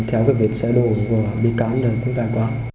theo vết xe đổ của bị cáo là bị tự trải